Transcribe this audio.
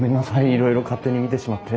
いろいろ勝手に見てしまって。